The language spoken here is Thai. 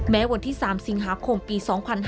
วันที่๓สิงหาคมปี๒๕๕๙